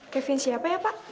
kevin siapa ya pak